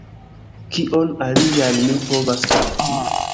Kion alian mi povas kapti?